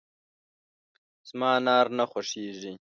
زما انار نه خوښېږي .